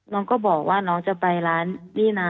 น้องก็บอกว่าน้องจะไปร้านนี่นะ